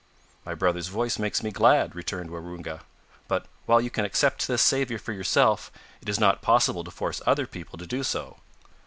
"My brother's voice makes me glad," returned Waroonga; "but while you can accept this Saviour for yourself, it is not possible to force other people to do so."